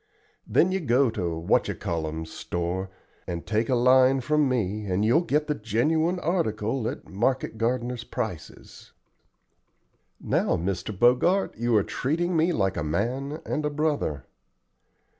Then you go to What you call 'em's store, and take a line from me, and you'll git the genuine article at market gardeners' prices." "Now, Mr. Bogart, you are treating me like a man and a brother."